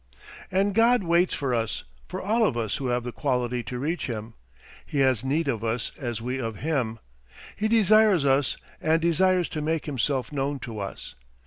... And God waits for us, for all of us who have the quality to reach him. He has need of us as we of him. He desires us and desires to make himself known to us.